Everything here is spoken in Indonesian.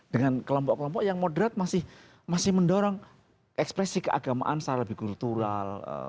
dengan kelompok kelompok yang moderat masih mendorong ekspresi keagamaan secara lebih kultural